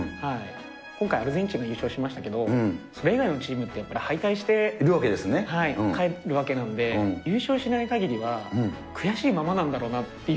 今回、アルゼンチンが優勝しましたけれども、それ以外のチームってやっぱり敗退して帰るわけなので、優勝しないかぎりは悔しいままなんだろうなっていう。